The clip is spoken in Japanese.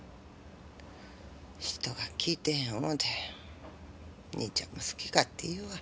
人が聞いてへん思うて兄ちゃんも好き勝手言うわ。